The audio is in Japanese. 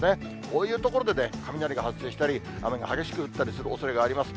こういう所で雷が発生したり、雨が激しく降ったりするおそれがあります。